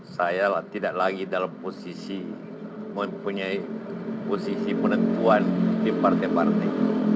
saya tidak lagi dalam posisi mempunyai posisi penentuan di partai partai